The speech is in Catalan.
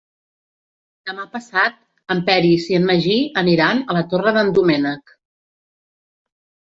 Demà passat en Peris i en Magí aniran a la Torre d'en Doménec.